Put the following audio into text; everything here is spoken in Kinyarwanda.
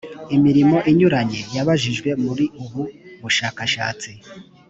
imirimo inyuranye babajijwe muri ubu bushakashatsi